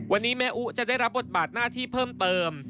วันนี้แม่อุ๊จะได้รับบทบาทหน้าที่เพิ่มเติม